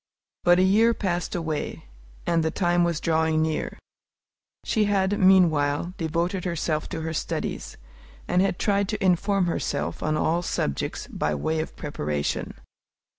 But a year passed away, and the time was drawing near. She had, meanwhile, devoted herself to her studies, and had tried to inform herself on all subjects by way of preparation.